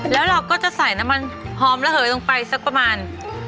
แล้วเราก็จะใส่น้ำมันหอมระเหยลงไปสักประมาณ